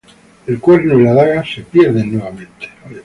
El Cuerno y la daga se pierden nuevamente.